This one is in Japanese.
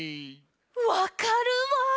わかるわ！